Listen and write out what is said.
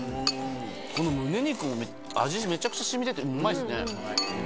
このむね肉も味めちゃくちゃ染みててうまいっすね。